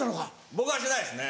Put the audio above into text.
僕はしてないですね